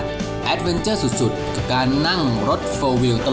ก็เป็นบริเวณของประเทศเพื่อนบ้านอิตองจากด้านหลังผมเนี่ยนะครับ